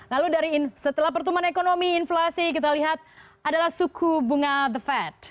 lalu setelah pertumbuhan ekonomi inflasi kita lihat adalah suku bunga the fed